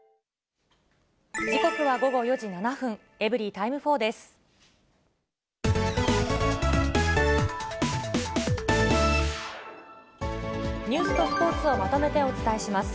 時刻は午後４時７分、エブリィタイム４です。